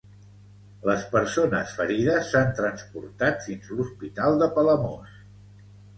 Les persones ferides s'han transportat fins l'Hospital de Palamós.